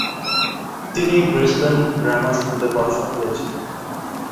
তিনি Brisbane grammar স্কুলে পড়াশোনা করেছেন।